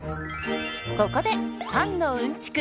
ここでパンのうんちく